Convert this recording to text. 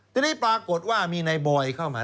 ทีนี้ปรากฏว่ามีนายบอยเข้ามา